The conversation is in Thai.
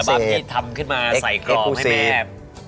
ปกอัลบั้มที่ทำขึ้นมาใส่กรอบให้แม่